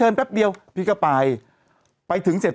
เป็นการกระตุ้นการไหลเวียนของเลือด